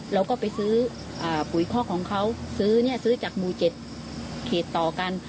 เราก็ไปซื้อปุ๋ยขอกของเขาซื้อจากหมูเจ็ดเขตต่อกัน